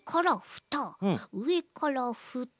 うえからふた。